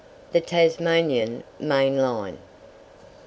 THE TASMANIAN MAIN LINE.